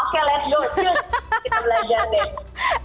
jut kita belajar deh